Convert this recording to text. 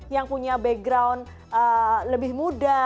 yang punya background lebih muda